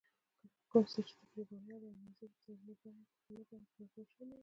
کوم څه چې ته پرې ویاړې او نازېږې، نه باید په هغه وشرمېږې.